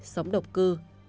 bảy sống độc cư